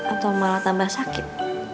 atau malah tambah sakit